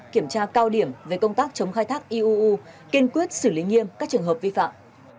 kiểm tra cao điểm về công tác chống khai thác iuu kiên quyết xử lý nghiêm các trường hợp vi phạm